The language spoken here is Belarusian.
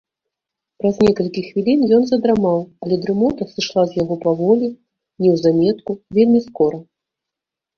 Праз некалькі хвілін ён задрамаў, але дрымота сышла з яго паволі, неўзаметку, вельмі скора.